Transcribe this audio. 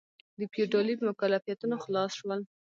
د فیوډالي مکلفیتونو خلاص شول.